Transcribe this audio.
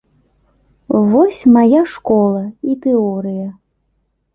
Вось мая школа і тэорыя.